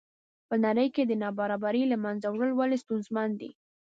په نړۍ کې د نابرابرۍ له منځه وړل ولې ستونزمن دي.